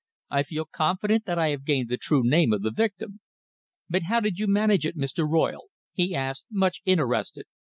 "I feel confident that I have gained the true name of the victim." "But how did you manage it, Mr. Royle?" he asked, much interested.